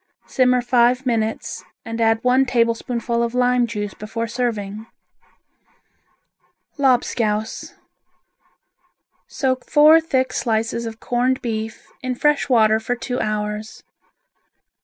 Simmer five minutes and add one tablespoonful of lime juice before serving. Lobscouse Soak four thick slices of corned beef in fresh water for two hours.